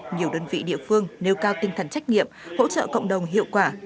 nhiều đơn vị địa phương nêu cao tinh thần trách nhiệm hỗ trợ cộng đồng hiệu quả